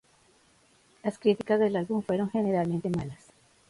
Las críticas del álbum fueron generalmente malas.